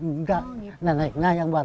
nggak neneknya yang buat